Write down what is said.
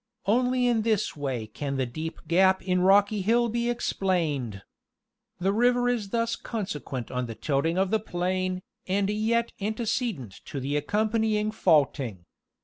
Only in this way can the deep gap in Rocky Hill be explained. The river is thus consequent on the tilting of the plain, and yet antecedent to the accompanying faulting.